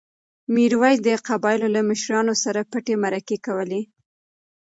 میرویس د قبایلو له مشرانو سره پټې مرکې کولې.